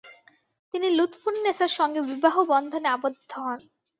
তিনি লুৎফুন্নেসার সঙ্গে বিবাহ বন্ধনে আবদ্ধ হন।